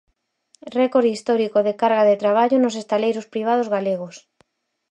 Récord histórico de carga de traballo nos estaleiros privados galegos.